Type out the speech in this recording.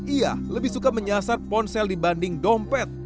ia lebih suka menyasar ponsel dibanding dompet